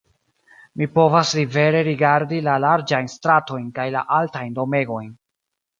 Mi povas libere rigardi la larĝajn stratojn kaj la altajn domegojn.